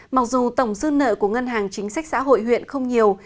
mặc dù tổng dư nợ của ngân hàng chính sách xã hội huyện không nhiều